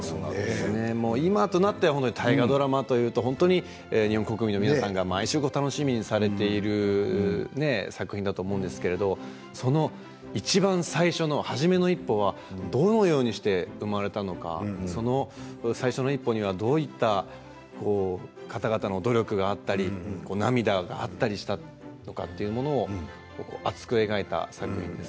今となっては大河ドラマというと日本国民の皆さんが毎週楽しみにされている作品だと思うんですがいちばん最初の初めの一歩はどのようにして生まれたのか最初の一歩にはどういった方々の努力があったり、涙があったりしたのかというものを熱く描いた作品です。